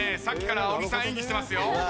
さっきから小木さん演技してますよ。